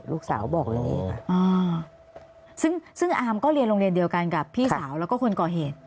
ลูกสาวบอกอย่างนี้ค่ะซึ่งซึ่งอาร์มก็เรียนโรงเรียนเดียวกันกับพี่สาวแล้วก็คนก่อเหตุ